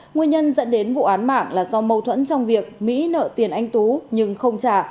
nguyên nhân dẫn đến vụ án mạng là do mâu thuẫn trong việc mỹ nợ tiền anh tú nhưng không trả